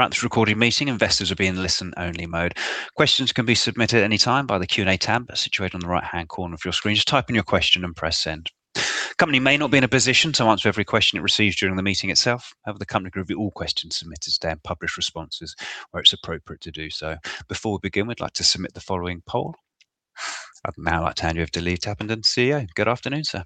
For this recorded meeting, investors will be in listen only mode. Questions can be submitted any time by the Q&A tab situated on the right hand corner of your screen. Just type in your question and press send. Company may not be in a position to answer every question it receives during the meeting itself. However, the company will review all questions submitted today and publish responses where it's appropriate to do so. Before we begin, we'd like to submit the following poll. I'd now like to hand you over to Lee Tappenden, CEO. Good afternoon, sir.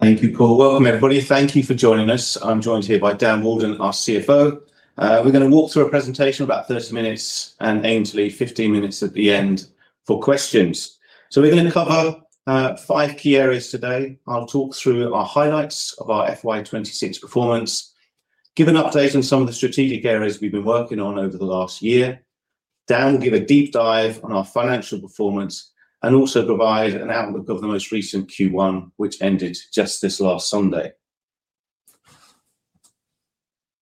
Thank you, Paul. Welcome, everybody. Thank you for joining us. I'm joined here by Dan Walden, our CFO. We're going to walk through a presentation, about 30 minutes and aim to leave 15 minutes at the end for questions. We're going to cover five key areas today. I'll talk through our highlights of our FY 2026 performance, give an update on some of the strategic areas we've been working on over the last year. Dan will give a deep dive on our financial performance and also provide an outlook of the most recent Q1, which ended just this last Sunday.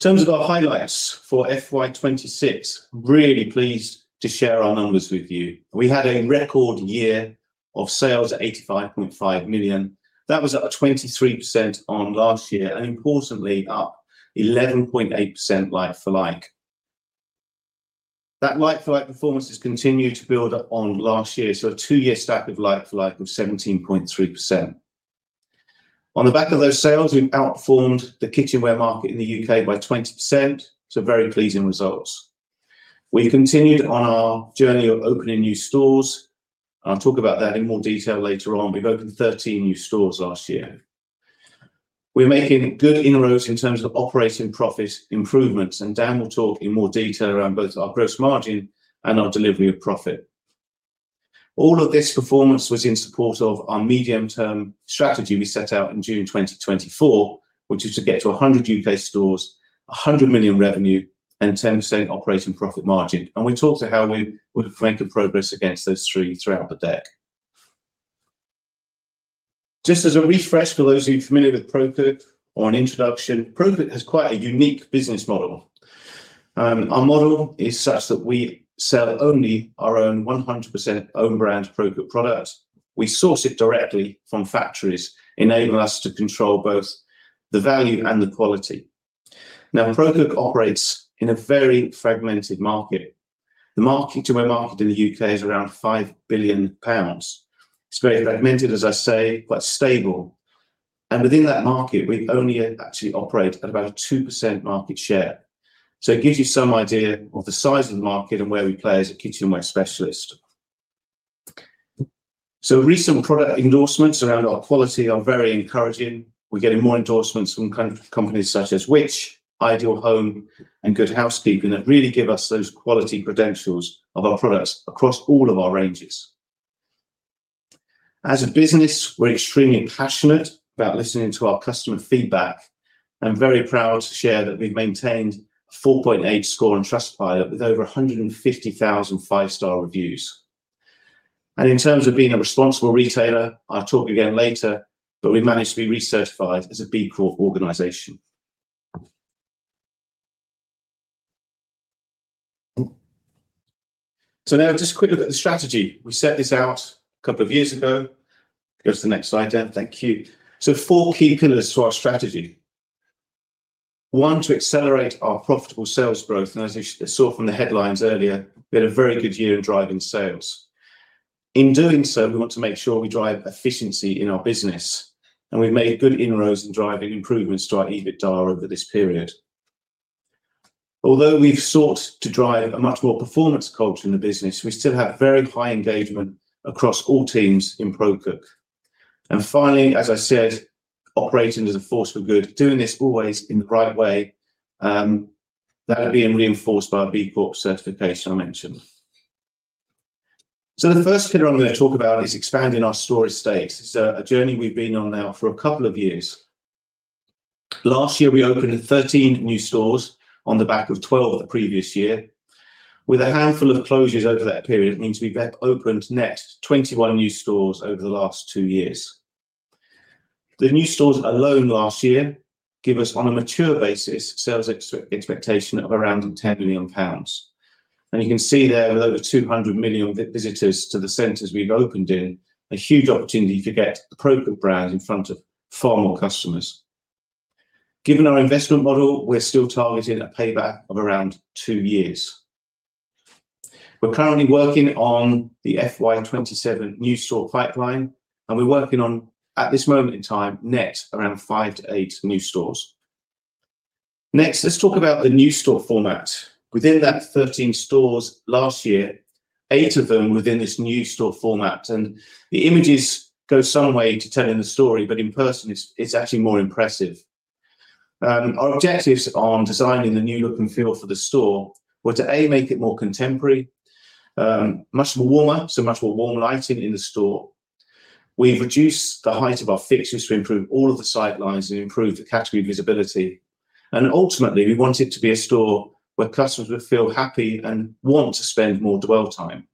In terms of our highlights for FY 2026, really pleased to share our numbers with you. We had a record year of sales at 85.5 million. That was up 23% on last year and importantly up 11.8% like for like. That like for like performance has continued to build up on last year, a two year stack of like for like of 17.3%. On the back of those sales, we've outperformed the kitchenware market in the U.K. by 20%, very pleasing results. We've continued on our journey of opening new stores, and I'll talk about that in more detail later on. We've opened 13 new stores last year. We're making good inroads in terms of operating profit improvements, and Dan will talk in more detail around both our gross margin and our delivery of profit. All of this performance was in support of our medium term strategy we set out in June 2024, which is to get to 100 U.K. stores, 100 million revenue and 10% operating profit margin. We'll talk to how we would have made good progress against those three throughout the deck. Just as a refresh for those of you familiar with ProCook or an introduction, ProCook has quite a unique business model. Our model is such that we sell only our own 100% own brand ProCook products. We source it directly from factories, enabling us to control both the value and the quality. Now, ProCook operates in a very fragmented market. The market, kitchenware market in the U.K. is around 5 billion pounds. It's very fragmented, as I say, but stable. Within that market, we only actually operate at about a 2% market share. It gives you some idea of the size of the market and where we play as a kitchenware specialist. Recent product endorsements around our quality are very encouraging. We are getting more endorsements from companies such as Which?, Ideal Home, and Good Housekeeping that really give us those quality credentials of our products across all of our ranges. As a business, we are extremely passionate about listening to our customer feedback and very proud to share that we have maintained a 4.8 score on Trustpilot with over 150,000 5 star reviews. In terms of being a responsible retailer, I will talk again later, but we managed to be recertified as a B Corp organization. Now just a quick look at the strategy. We set this out a couple of years ago. Go to the next slide, Dan. Thank you. Four key pillars to our strategy. One, to accelerate our profitable sales growth. As you saw from the headlines earlier, we had a very good year in driving sales. In doing so, we want to make sure we drive efficiency in our business, and we have made good inroads in driving improvements to our EBITDA over this period. Although we have sought to drive a much more performance culture in the business, we still have very high engagement across all teams in ProCook. Finally, as I said, operating as a force for good, doing this always in the right way, that being reinforced by our B Corp certification I mentioned. The first pillar I am going to talk about is expanding our store estate. It is a journey we have been on now for a couple of years. Last year, we opened 13 new stores on the back of 12 the previous year. With a handful of closures over that period, it means we have opened net 21 new stores over the last two years. The new stores alone last year give us, on a mature basis, sales expectation of around 10 million pounds. You can see there with over 200 million visitors to the centers we have opened in, a huge opportunity to get the ProCook brand in front of far more customers. Given our investment model, we are still targeting a payback of around two years. We are currently working on the FY 2027 new store pipeline, and we are working on, at this moment in time, net around five to eight new stores. Next, let us talk about the new store format. Within that 13 stores last year, eight of them were within this new store format. The images go some way to telling the story, but in person, it is actually more impressive. Our objectives on designing the new look and feel for the store were to, A. make it more contemporary, much more warmer, much more warm lighting in the store. We have reduced the height of our fixtures to improve all of the sight lines and improve the category visibility. Ultimately, we want it to be a store where customers would feel happy and want to spend more dwell time.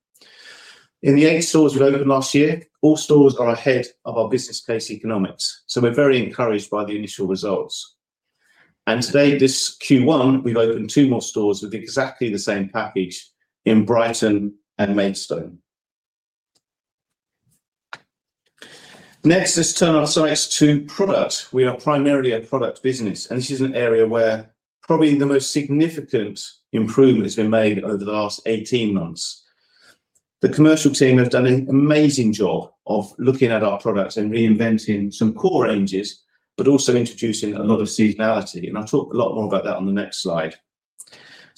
In the eight stores we have opened last year, all stores are ahead of our business case economics, so we are very encouraged by the initial results. Today, this Q1, we have opened two more stores with exactly the same package in Brighton and Maidstone. Next, let us turn our sights to product. We are primarily a product business, and this is an area where probably the most significant improvement has been made over the last 18 months. The commercial team have done an amazing job of looking at our products and reinventing some core ranges, but also introducing a lot of seasonality. I'll talk a lot more about that on the next slide.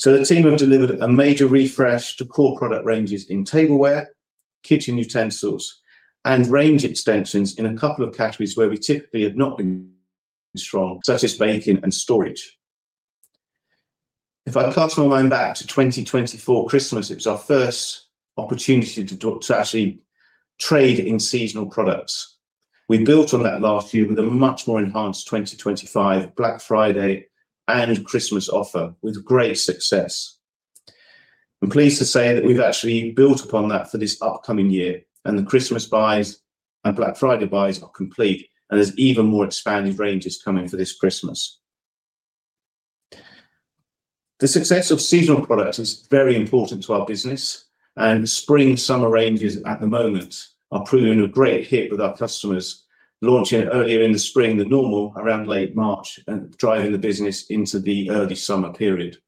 The team have delivered a major refresh to core product ranges in tableware, kitchen utensils, and range extensions in a couple of categories where we typically have not been strong, such as baking and storage. If I cast my mind back to 2024 Christmas, it was our first opportunity to actually trade in seasonal products. We built on that last year with a much more enhanced 2025 Black Friday and Christmas offer with great success. I'm pleased to say that we've actually built upon that for this upcoming year. The Christmas buys and Black Friday buys are complete, and there's even more expanded ranges coming for this Christmas. The success of seasonal products is very important to our business. Spring summer ranges at the moment are proving a great hit with our customers. Launching earlier in the spring than normal, around late March, and driving the business into the early summer period.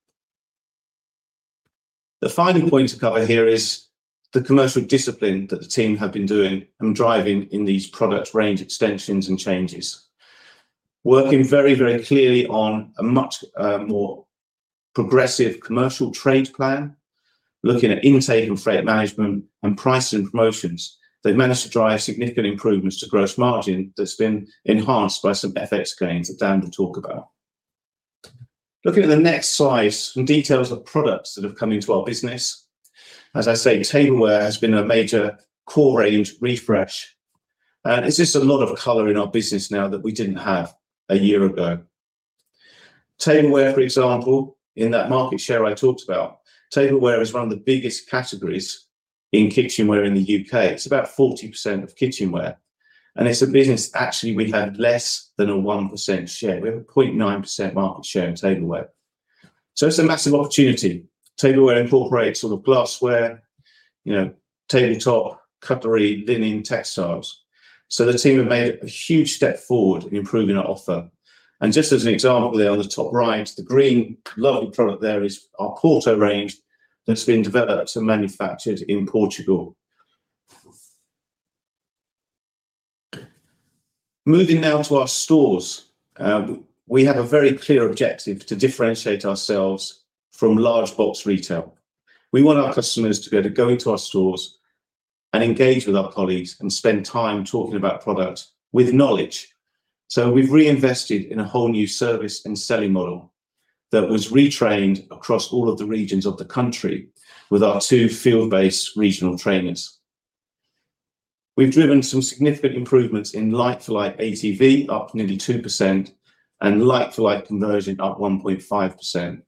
The final point to cover here is the commercial discipline that the team have been doing and driving in these product range extensions and changes. Working very clearly on a much more progressive commercial trade plan, looking at intake and freight management and pricing promotions, they've managed to drive significant improvements to gross margin that's been enhanced by some FX gains that Dan will talk about. Looking at the next slide, some details of products that have come into our business. As I say, tableware has been a major core range refresh. It's just a lot of color in our business now that we didn't have a year ago. Tableware, for example, in that market share I talked about, tableware is one of the biggest categories in kitchenware in the U.K. It's about 40% of kitchenware, and it's a business actually with less than a 1% share. We have a 0.9% market share in tableware, so it's a massive opportunity. Tableware incorporates sort of glassware, tabletop cutlery, linen, textiles. The team have made a huge step forward in improving our offer. Just as an example there on the top right, the green lovely product there is our Porto range that's been developed and manufactured in Portugal. Moving now to our stores. We have a very clear objective to differentiate ourselves from large box retail. We want our customers to be able to go into our stores and engage with our colleagues and spend time talking about product with knowledge. We've reinvested in a whole new service and selling model that was retrained across all of the regions of the country with our two field-based regional trainers. We've driven some significant improvements in like-to-like ATV, up nearly 2%, and like-to-like conversion up 1.5%.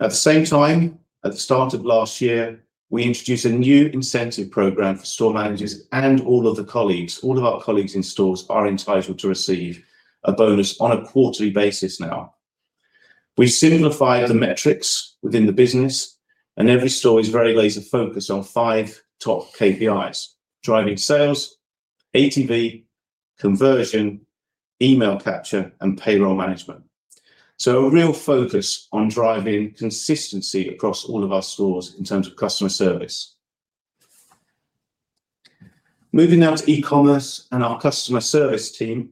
At the same time, at the start of last year, we introduced a new incentive program for store managers and all other colleagues. All of our colleagues in stores are entitled to receive a bonus on a quarterly basis now. We've simplified the metrics within the business. Every store is very laser focused on five top KPIs, driving sales, ATV, conversion, email capture, and payroll management. A real focus on driving consistency across all of our stores in terms of customer service. Moving now to e-commerce and our customer service team.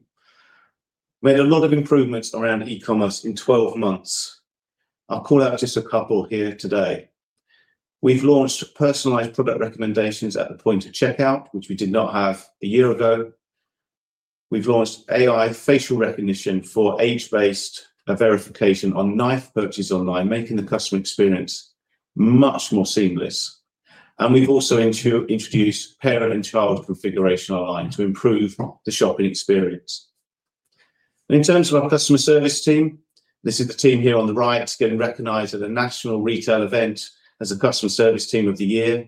Made a lot of improvements around e-commerce in 12 months. I'll call out just a couple here today. We've launched personalized product recommendations at the point of checkout, which we did not have a year ago. We've launched AI facial recognition for age-based verification on knife purchases online, making the customer experience much more seamless. We've also introduced parent and child configuration online to improve the shopping experience. In terms of our customer service team, this is the team here on the right getting recognized at a national retail event as a customer service team of the year.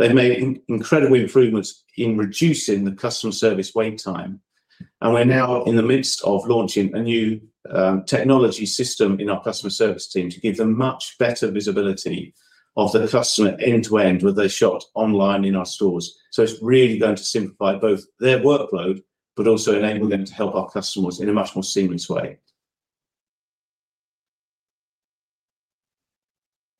They've made incredible improvements in reducing the customer service wait time. We're now in the midst of launching a new technology system in our customer service team to give them much better visibility of the customer end to end, whether they've shopped online, in our stores. It's really going to simplify both their workload but also enable them to help our customers in a much more seamless way.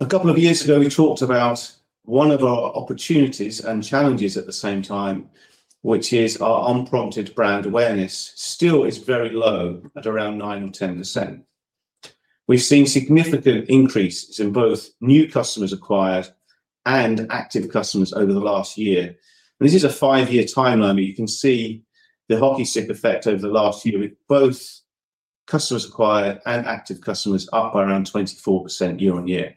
A couple of years ago, we talked about one of our opportunities and challenges at the same time, which is our unprompted brand awareness still is very low at around 9% or 10%. We've seen significant increases in both new customers acquired and active customers over the last year. This is a five-year timeline, but you can see the hockey stick effect over the last year with both customers acquired and active customers up by around 24% year-on-year.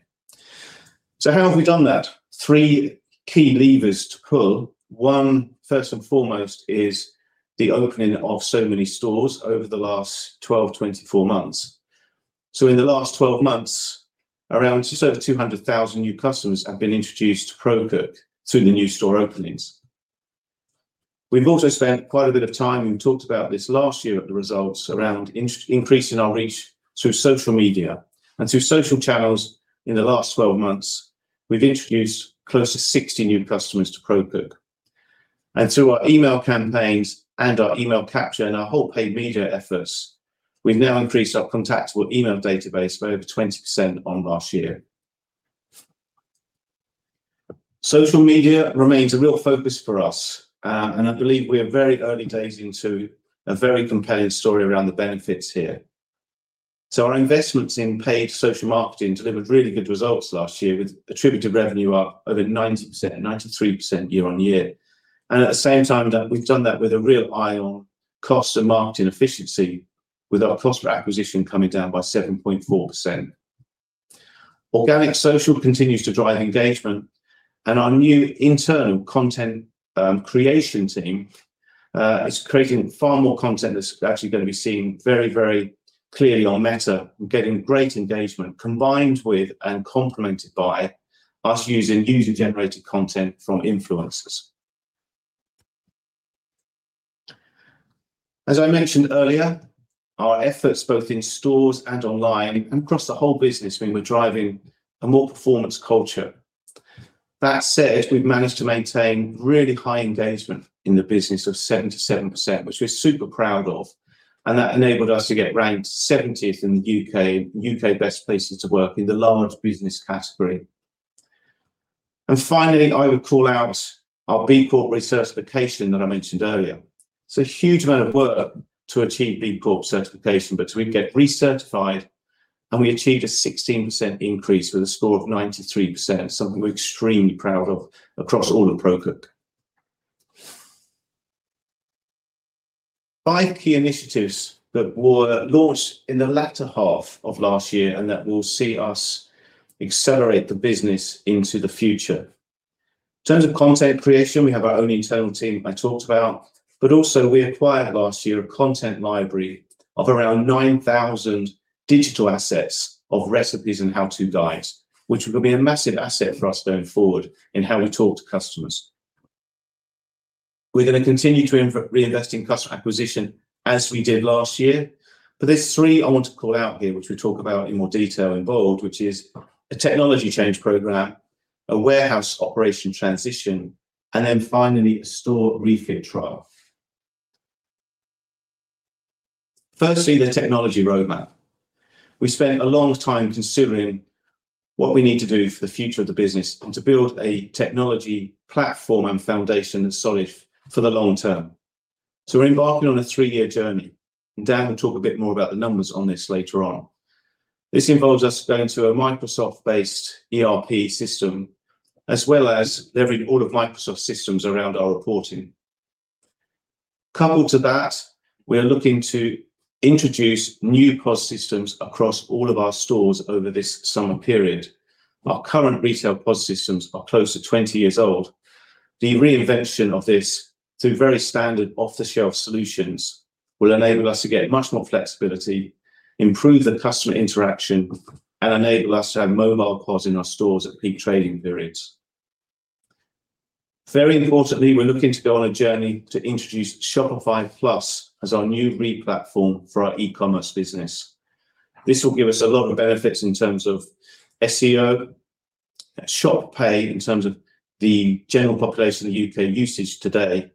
How have we done that? Three key levers to pull. One, first and foremost, is the opening of so many stores over the last 12-24 months. In the last 12 months, around just over 200,000 new customers have been introduced to ProCook through the new store openings. We've also spent quite a bit of time, we talked about this last year at the results, around increasing our reach through social media and through social channels. In the last 12 months, we've introduced close to 60 new customers to ProCook. Through our email campaigns and our email capture and our whole paid media efforts, we've now increased our contactable email database by over 20% on last year. Social media remains a real focus for us. I believe we are very early days into a very compelling story around the benefits here. Our investments in paid social marketing delivered really good results last year, with attributed revenue up over 90%, 93% year-on-year. At the same time, we've done that with a real eye on cost of marketing efficiency with our customer acquisition coming down by 7.4%. Organic social continues to drive engagement. Our new internal content creation team is creating far more content that's actually going to be seen very clearly on Meta. We're getting great engagement combined with and complemented by us using user-generated content from influencers. As I mentioned earlier, our efforts both in stores and online and across the whole business, we were driving a more performance culture. That said, we've managed to maintain really high engagement in the business of 77%, which we're super proud of, and that enabled us to get ranked 70th in the U.K. Best Places to Work in the large business category. Finally, I would call out our B Corp recertification that I mentioned earlier. It's a huge amount of work to achieve B Corp certification, but we get recertified, and we achieved a 16% increase with a score of 93%, something we're extremely proud of across all of ProCook. Five key initiatives that were launched in the latter half of last year, and that will see us accelerate the business into the future. In terms of content creation, we have our own internal team, I talked about, but also we acquired last year a content library of around 9,000 digital assets of recipes and how to guides, which are going to be a massive asset for us going forward in how we talk to customers. We're going to continue to reinvest in customer acquisition as we did last year. There's three I want to call out here, which we talk about in more detail involved, which is a technology change program, a warehouse operation transition, finally, a store refit trial. Firstly, the technology roadmap. We spent a long time considering what we need to do for the future of the business and to build a technology platform and foundation that's solid for the long term. We're embarking on a three-year journey. Dan will talk a bit more about the numbers on this later on. This involves us going to a Microsoft-based ERP system, as well as leveraging all of Microsoft's systems around our reporting. Coupled to that, we are looking to introduce new POS systems across all of our stores over this summer period. Our current retail POS systems are close to 20 years old. The reinvention of this through very standard off-the-shelf solutions will enable us to get much more flexibility, improve the customer interaction, and enable us to have mobile POS in our stores at peak trading periods. Very importantly, we're looking to go on a journey to introduce Shopify Plus as our new re-platform for our e-commerce business. This will give us a lot of benefits in terms of SEO, Shop Pay in terms of the general population of the U.K. usage today,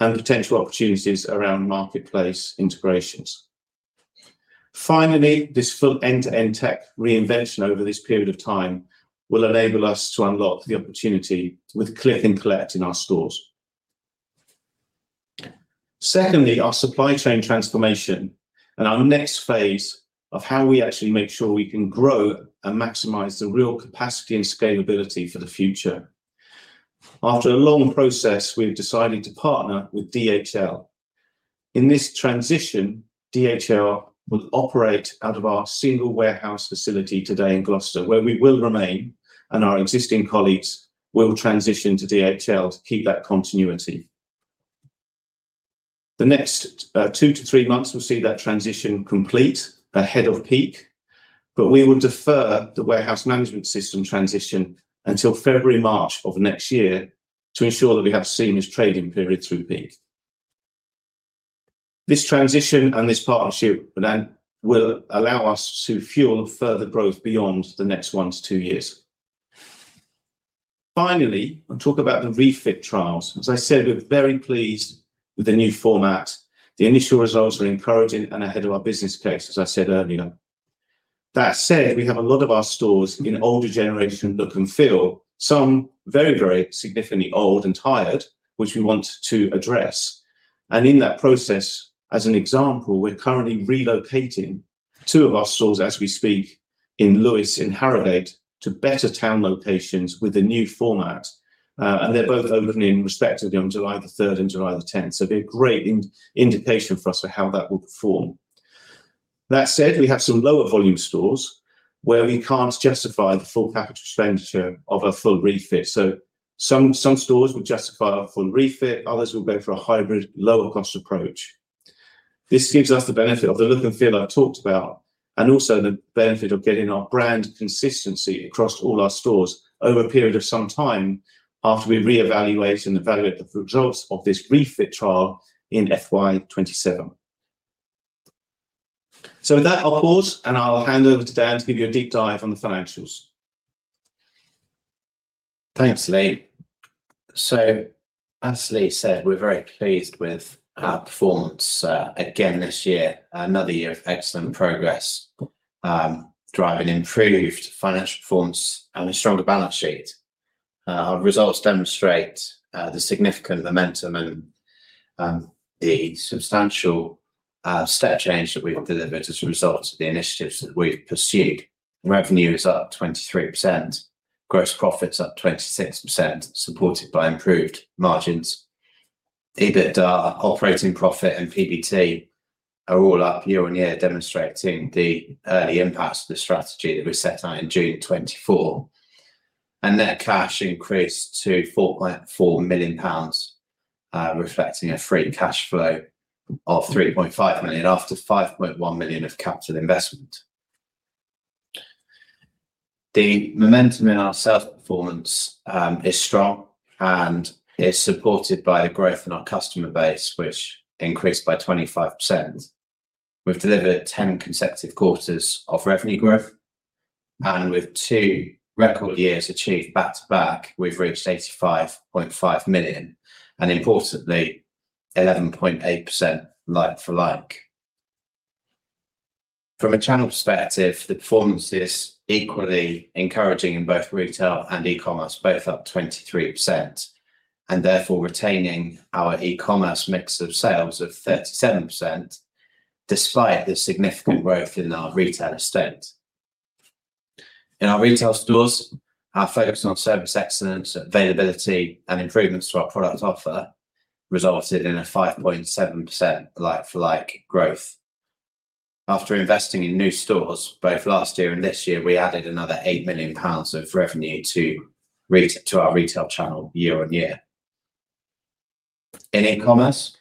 and potential opportunities around marketplace integrations. Finally, this full end-to-end tech reinvention over this period of time will enable us to unlock the opportunity with click and collect in our stores. Secondly, our supply chain transformation and our next phase of how we actually make sure we can grow and maximize the real capacity and scalability for the future. After a long process, we've decided to partner with DHL. In this transition, DHL will operate out of our single warehouse facility today in Gloucester, where we will remain, and our existing colleagues will transition to DHL to keep that continuity. The next two to three months will see that transition complete ahead of peak, but we will defer the warehouse management system transition until February, March of next year to ensure that we have seamless trading period through peak. This transition and this partnership will allow us to fuel further growth beyond the next one to two years. I'll talk about the refit trials. As I said, we're very pleased with the new format. The initial results are encouraging and ahead of our business case, as I said earlier. We have a lot of our stores in older generation look and feel, some very significantly old and tired, which we want to address. In that process, as an example, we're currently relocating two of our stores as we speak in Lewes and Harrogate to better town locations with the new format, and they're both opening respectively on July 3rd and July 10th. It'll be a great indication for us for how that will perform. We have some lower volume stores where we can't justify the full capital expenditure of a full refit. Some stores will justify a full refit, others will go for a hybrid lower cost approach. This gives us the benefit of the look and feel I've talked about and also the benefit of getting our brand consistency across all our stores over a period of some time after we reevaluate and evaluate the results of this refit trial in FY 2027. With that, I'll pause and I'll hand over to Dan to give you a deep dive on the financials. Thanks, Lee. As Lee said, we're very pleased with our performance again this year, another year of excellent progress, driving improved financial performance and a stronger balance sheet. Our results demonstrate the significant momentum and the substantial step change that we have delivered as a result of the initiatives that we've pursued. Revenue is up 23%, gross profit's up 26%, supported by improved margins. EBITDA, operating profit and PBT are all up year-on-year, demonstrating the early impacts of the strategy that we set out in June 2024. Net cash increased to 4.4 million pounds, reflecting a free cash flow of 3.5 million after 5.1 million of capital investment. The momentum in our sales performance is strong, and it's supported by a growth in our customer base, which increased by 25%. We've delivered 10 consecutive quarters of revenue growth, and with two record years achieved back to back, we've reached 85.5 million, and importantly, 11.8% LFL. From a channel perspective, the performance is equally encouraging in both retail and e-commerce, both up 23%, and therefore retaining our e-commerce mix of sales of 37%, despite the significant growth in our retail estate. In our retail stores, our focus on service excellence, availability, and improvements to our product offer resulted in a 5.7% LFL growth. After investing in new stores both last year and this year, we added another 8 million pounds of revenue to our retail channel year-on-year. In e-commerce,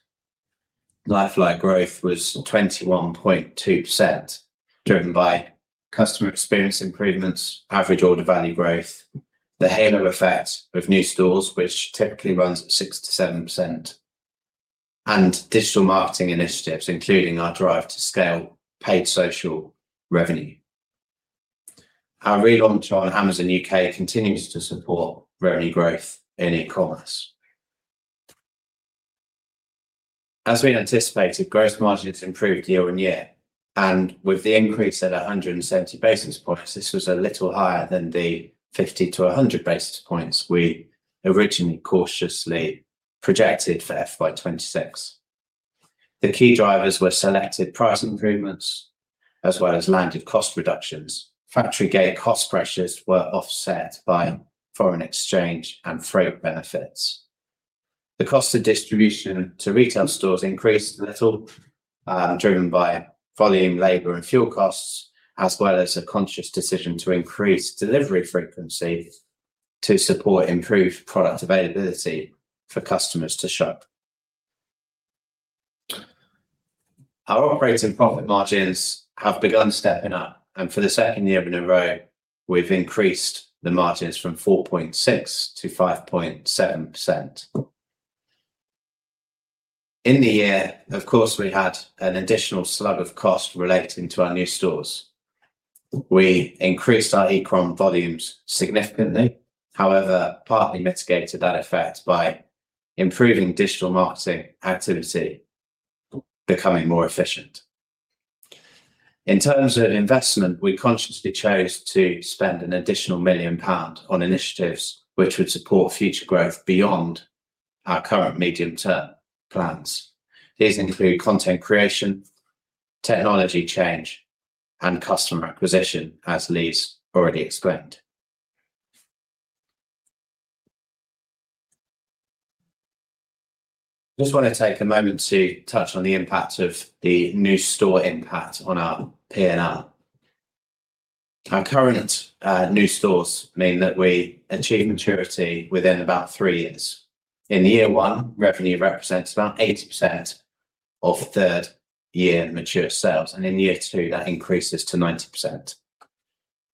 LFL growth was 21.2%, driven by customer experience improvements, AOV growth, the halo effect of new stores, which typically runs at 6%-7%, and digital marketing initiatives, including our drive to scale paid social revenue. Our relaunch on Amazon UK continues to support revenue growth in e-commerce. As we anticipated, gross margin has improved year-on-year, and with the increase at 170 basis points, this was a little higher than the 50-100 basis points we originally cautiously projected for FY 2026. The key drivers were selected price improvements, as well as landed cost reductions. Factory gate cost pressures were offset by foreign exchange and freight benefits. The cost of distribution to retail stores increased a little, driven by volume, labor and fuel costs, as well as a conscious decision to increase delivery frequency to support improved product availability for customers to shop. Our operating profit margins have begun stepping up, and for the second year in a row, we've increased the margins from 4.6%-5.7%. In the year, of course, we had an additional slug of cost relating to our new stores. We increased our eCom volumes significantly, however, partly mitigated that effect by improving digital marketing activity becoming more efficient. In terms of investment, we consciously chose to spend an additional 1 million pound on initiatives which would support future growth beyond our current medium-term plans. These include content creation, technology change, and customer acquisition, as Lee's already explained. Just want to take a moment to touch on the impact of the new store impact on our P&L. Our current new stores mean that we achieve maturity within about three years. In year one, revenue represents about 80% of third year mature sales, and in year two, that increases to 90%.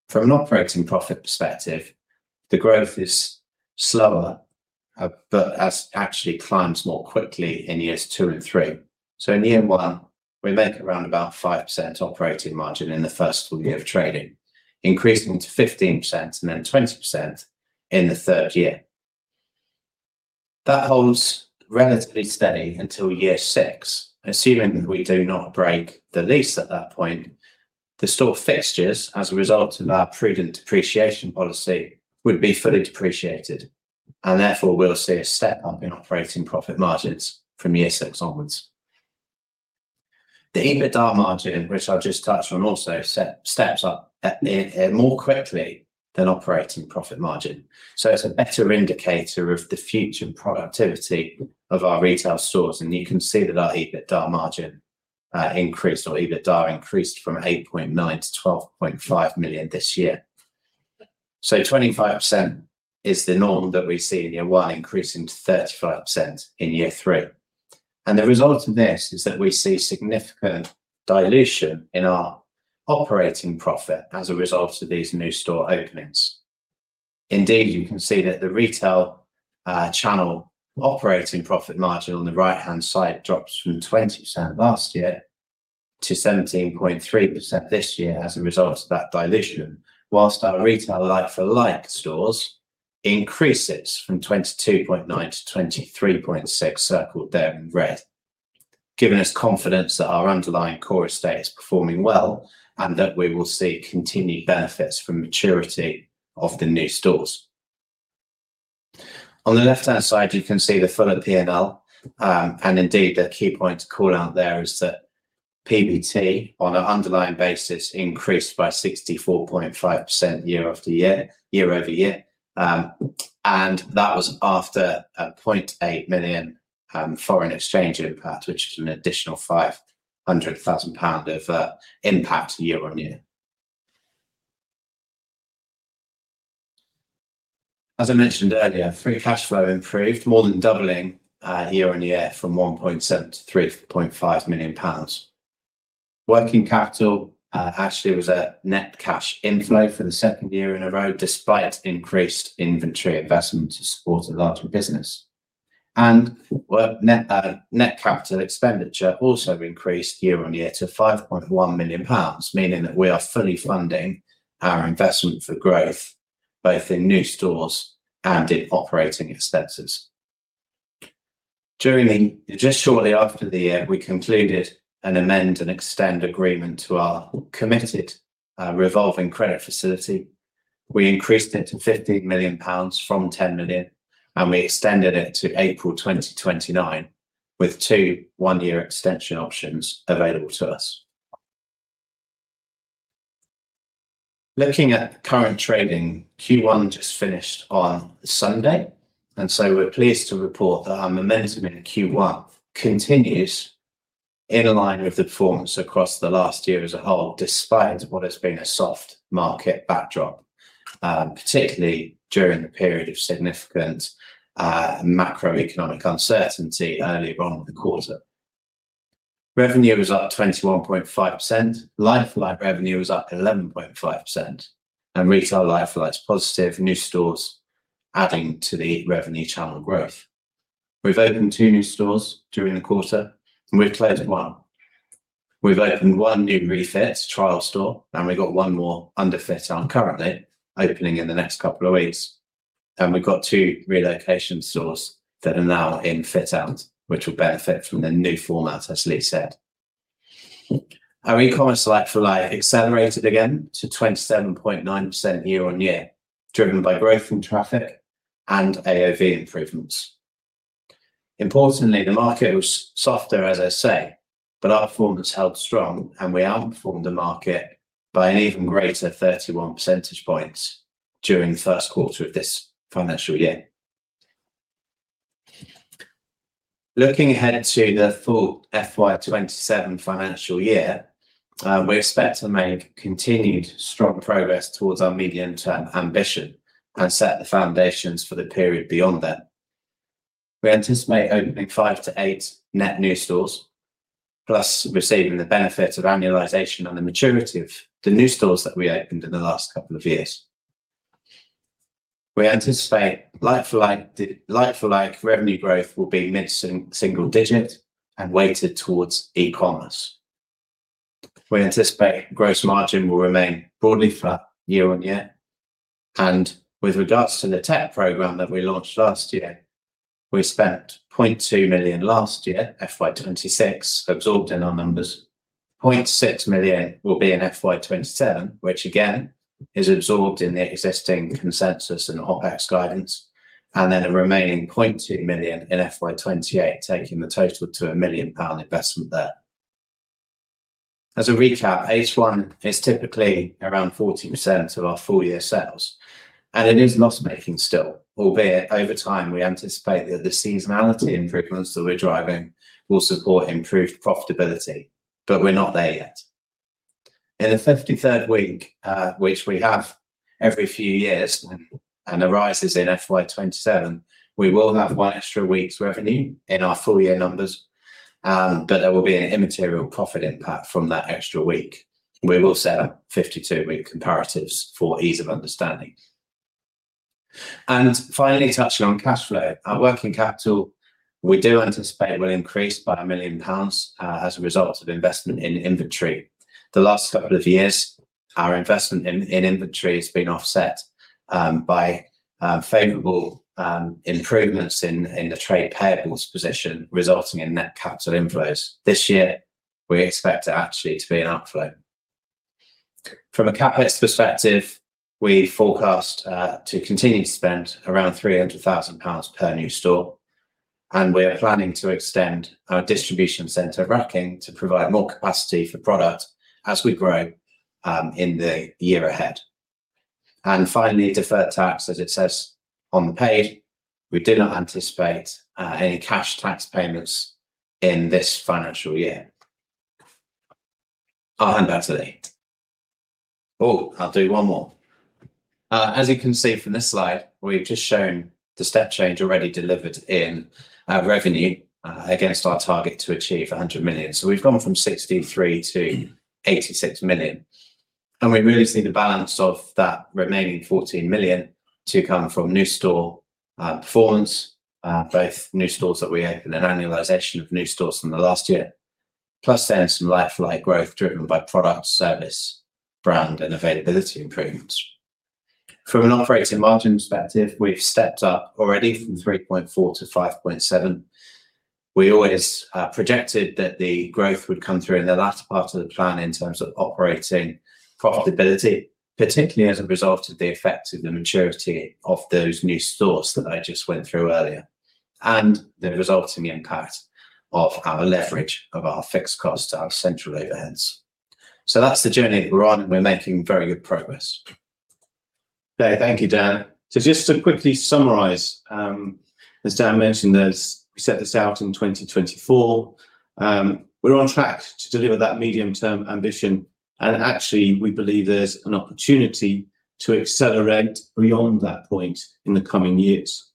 From an operating profit perspective, the growth is slower, but actually climbs more quickly in years two and three. In year one, we make around about 5% operating margin in the first full year of trading, increasing to 15% and then 20% in the third year. That holds relatively steady until year six. Assuming that we do not break the lease at that point, the store fixtures, as a result of our prudent depreciation policy, would be fully depreciated, and therefore we'll see a step-up in operating profit margins from year six onwards. The EBITDA margin, which I'll just touch on also, steps up more quickly than operating profit margin. It's a better indicator of the future productivity of our retail stores, and you can see that our EBITDA margin increased, or EBITDA increased from 8.9 million-12.5 million this year. 25% is the norm that we see in year one, increasing to 35% in year three. The result of this is that we see significant dilution in our operating profit as a result of these new store openings. You can see that the retail channel operating profit margin on the right-hand side drops from 20% last year to 17.3% this year as a result of that dilution, whilst our retail like-for-like stores increases from 22.9% to 23.6%, circled there in red, giving us confidence that our underlying core estate is performing well and that we will see continued benefits from maturity of the new stores. On the left-hand side, you can see the full P&L, the key point to call out there is that PBT on an underlying basis increased by 64.5% year-over-year, and that was after a 0.8 million foreign exchange impact, which is an additional 500,000 pound of impact year-on-year. As I mentioned earlier, free cash flow improved, more than doubling year-on-year from 1.7 million-3.5 million pounds. Working capital actually was a net cash inflow for the second year in a row, despite increased inventory investment to support a larger business. Net capital expenditure also increased year-on-year to 5.1 million pounds, meaning that we are fully funding our investment for growth, both in new stores and in operating expenses. Just shortly after the year, we concluded an amend and extend agreement to our committed revolving credit facility. We increased it to 15 million pounds from 10 million, and we extended it to April 2029 with two one-year extension options available to us. Looking at the current trading, Q1 just finished on Sunday. We're pleased to report that our momentum in Q1 continues in line with the performance across the last year as a whole, despite what has been a soft market backdrop, particularly during the period of significant macroeconomic uncertainty earlier on in the quarter. Revenue was up 21.5%, like-for-like revenue was up 11.5%. Retail like-for-like is positive, new stores adding to the revenue channel growth. We've opened two new stores during the quarter, and we've closed one. We've opened one new refit trial store, and we've got one more under fit-out currently, opening in the next couple of weeks. We've got two relocation stores that are now in fit-out, which will benefit from the new format, as Lee said. Our e-commerce like-for-like accelerated again to 27.9% year-on-year, driven by growth in traffic and AOV improvements. Importantly, the market was softer, as I say, but our performance held strong, and we outperformed the market by an even greater 31 percentage points during the first quarter of this financial year. Looking ahead to the full FY 2027 financial year, we expect to make continued strong progress towards our medium-term ambition and set the foundations for the period beyond that. We anticipate opening five to eight net new stores, plus receiving the benefit of annualization and the maturity of the new stores that we opened in the last couple of years. We anticipate like-for-like revenue growth will be mid single digit and weighted towards e-commerce. We anticipate gross margin will remain broadly flat year-over-year. With regards to the tech program that we launched last year, we spent 0.2 million last year, FY 2026, absorbed in our numbers. 0.6 million will be in FY 2027, which again is absorbed in the existing consensus and OpEx guidance, then a remaining 0.2 million in FY 2028, taking the total to a 1 million pound investment there. As a recap, H1 is typically around 40% of our full year sales, and it is loss-making still, albeit over time we anticipate that the seasonality improvements that we're driving will support improved profitability. We're not there yet. In the 53rd week, which we have every few years and arises in FY 2027, we will have one extra week's revenue in our full year numbers, but there will be an immaterial profit impact from that extra week. We will set up 52-week comparatives for ease of understanding. Finally, touching on cash flow. Our working capital we do anticipate will increase by 1 million pounds as a result of investment in inventory. The last couple of years, our investment in inventory has been offset by favorable improvements in the trade payables position, resulting in net capital inflows. This year, we expect it actually to be an outflow. From a CapEx perspective, we forecast to continue to spend around 300,000 pounds per new store, and we're planning to extend our distribution center racking to provide more capacity for product as we grow in the year ahead. Finally, deferred tax, as it says on the page, we do not anticipate any cash tax payments in this financial year. I'll hand back to Lee. Oh, I'll do one more. As you can see from this slide, we've just shown the step change already delivered in our revenue against our target to achieve 100 million. We've gone from 63 million-86 million. We really see the balance of that remaining 14 million to come from new store performance, both new stores that we opened and annualization of new stores from the last year. Plus then some like-for-like growth driven by product, service, brand, and availability improvements. From an operating margin perspective, we've stepped up already from 3.4%-5.7%. We always projected that the growth would come through in the latter part of the plan in terms of operating profitability, particularly as a result of the effect of the maturity of those new stores that I just went through earlier, and the resulting impact of our leverage of our fixed costs to our central overheads. That's the journey that we're on, and we're making very good progress. Okay, thank you, Dan. Just to quickly summarize, as Dan mentioned, we set this out in 2024. We're on track to deliver that medium term ambition and actually, we believe there's an opportunity to accelerate beyond that point in the coming years.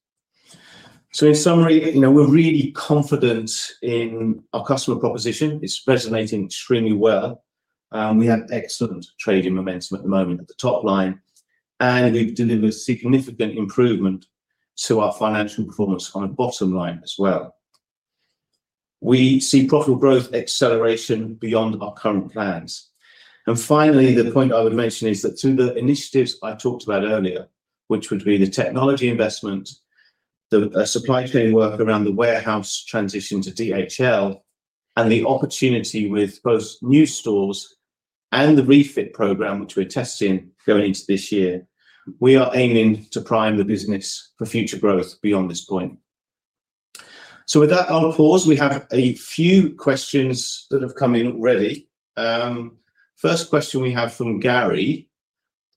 In summary, we're really confident in our customer proposition. It's resonating extremely well. We have excellent trading momentum at the moment at the top line, and we deliver significant improvement to our financial performance on the bottom line as well. We see profitable growth acceleration beyond our current plans. Finally, the point I would mention is that through the initiatives I talked about earlier, which would be the technology investment, the supply chain work around the warehouse transition to DHL, and the opportunity with both new stores and the refit program, which we're testing going into this year, we are aiming to prime the business for future growth beyond this point. With that on pause, we have a few questions that have come in already. First question we have from Gary.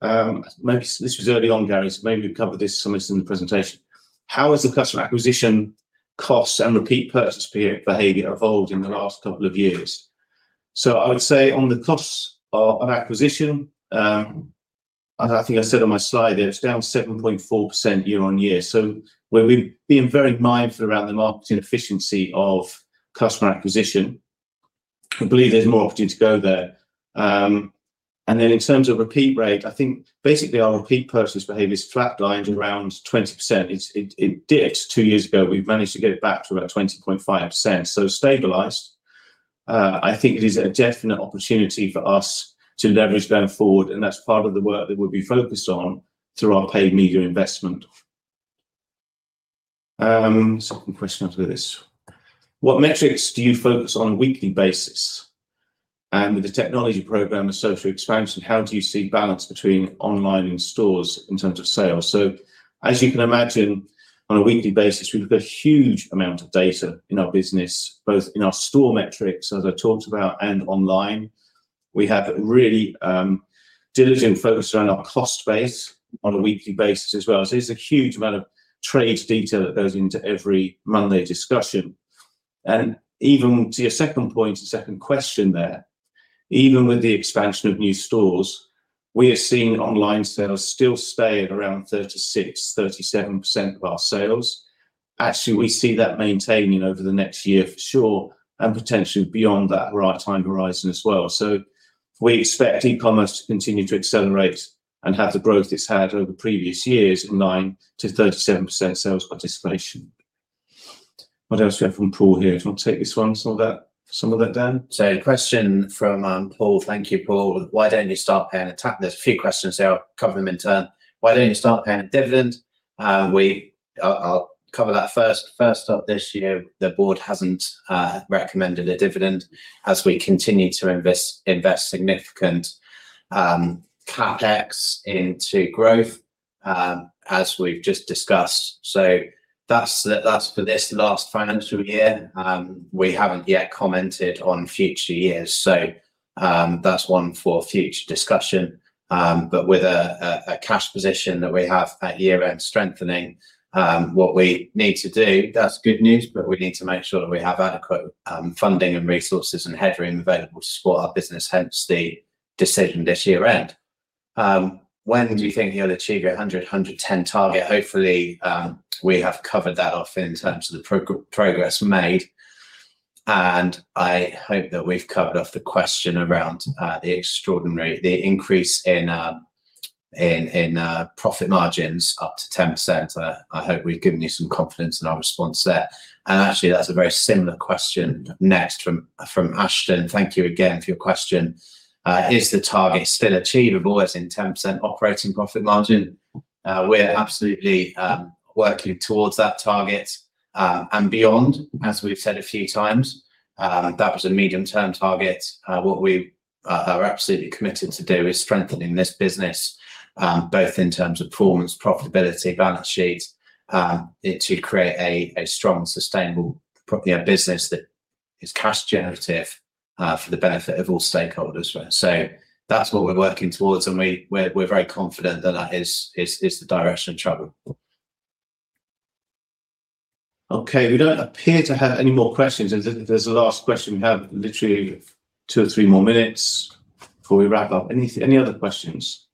This was early on, Gary, so maybe we covered this in the presentation. How has the customer acquisition costs and repeat purchase behavior evolved in the last couple of years? I would say on the costs of acquisition, as I think I said on my slide there, it's down 7.4% year-on-year. We've been very mindful around the marketing efficiency of customer acquisition. I believe there's more opportunity to go there. Then in terms of repeat rate, I think basically our repeat purchase behavior is flatlined around 20%. It dipped two years ago. We've managed to get it back to about 20.5%, so it's stabilized. I think it is a definite opportunity for us to leverage going forward, and that's part of the work that we'll be focused on through our paid media investment. Second question after this. What metrics do you focus on a weekly basis? With the technology program and store expansion, how do you see balance between online and stores in terms of sales? As you can imagine, on a weekly basis, we look at a huge amount of data in our business, both in our store metrics, as I talked about, and online. We have really diligent focus around our cost base on a weekly basis as well. There's a huge amount of trade data that goes into every Monday discussion. Even to your second point and second question there, even with the expansion of new stores, we are seeing online sales still stay at around 36%, 37% of our sales. Actually, we see that maintaining over the next year for sure, and potentially beyond that right time horizon as well. We expect e-commerce to continue to accelerate and have the growth it's had over previous years of 9%-37% sales participation. What else do we have from Paul here? Do you want to take this one, some of it, Dan? The question from Paul, thank you, Paul. There's a few questions there. I'll cover them in turn. Why don't you start paying a dividend? I'll cover that first. First up this year, the board hasn't recommended a dividend as we continue to invest significant CapEx into growth, as we've just discussed. That's for this last financial year. We haven't yet commented on future years, that's one for future discussion. With a cash position that we have at year end strengthening, what we need to do, that's good news, but we need to make sure that we have adequate funding and resources and headroom available to support our business, hence the decision this year end. When do you think you'll achieve your 100, 110 target? Hopefully, we have covered that off in terms of the progress made, and I hope that we've covered off the question around the extraordinary, the increase in profit margins up to 10%. I hope we've given you some confidence in our response there. Actually, that's a very similar question next from Ashton. Thank you again for your question. Is the target still achievable, as in 10% operating profit margin? We're absolutely working towards that target, and beyond, as we've said a few times. That was a medium-term target. What we are absolutely committed to do is strengthening this business, both in terms of performance, profitability, balance sheet, to create a strong, sustainable business that is cash generative, for the benefit of all stakeholders. That's what we're working towards, and we're very confident that that is the direction of travel. Okay. We don't appear to have any more questions. If there's a last question, we have literally two or three more minutes before we wrap up. Any other questions?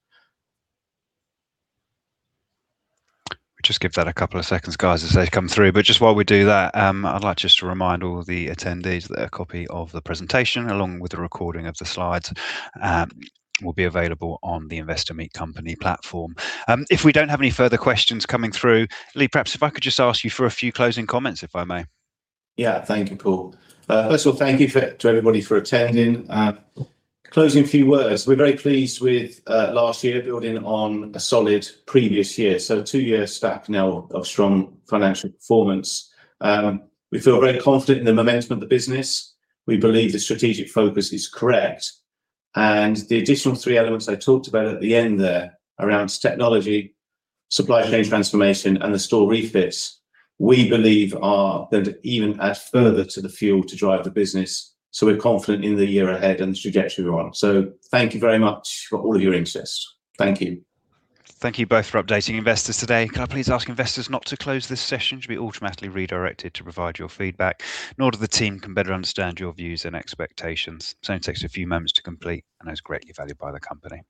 We'll just give that a couple of seconds, guys, as they come through. Just while we do that, I'd like just to remind all the attendees that a copy of the presentation, along with a recording of the slides, will be available on the Investor Meet Company platform. If we don't have any further questions coming through, Lee, perhaps if I could just ask you for a few closing comments, if I may. Yeah. Thank you, Paul. First of all, thank you to everybody for attending. Closing few words. We are very pleased with last year building on a solid previous year, so a two-year stack now of strong financial performance. We feel very confident in the momentum of the business. We believe the strategic focus is correct, and the additional three elements I talked about at the end there around technology, supply chain transformation, and the store refits, we believe are going to even add further to the fuel to drive the business. We are confident in the year ahead and the trajectory we are on. Thank you very much for all of your interest. Thank you. Thank you both for updating investors today. Can I please ask investors not to close this session? You should be automatically redirected to provide your feedback, in order the team can better understand your views and expectations. It only takes a few moments to complete and is greatly valued by the company.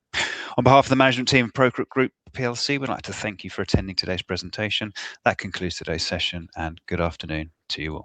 On behalf of the management team of ProCook Group PLC, we would like to thank you for attending today's presentation. That concludes today's session. Good afternoon to you all.